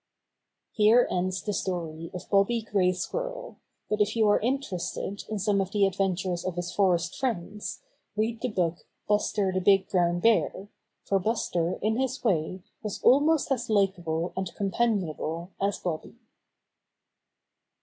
Here ends the story of Bobby Gray Squir rel, but if you are interested in some of the adventures of his forest friends, read the book "Buster the Big Brown Bear," for Buster in his way was almost as likable and com panionable as Bobby.